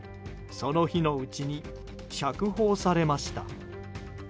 その日のうちに釈放されました。